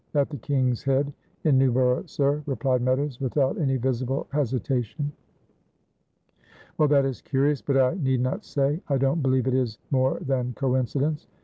"At the 'King's Head' in Newborough, sir," replied Meadows, without any visible hesitation. "Well, that is curious, but I need not say I don't believe it is more than coincidence.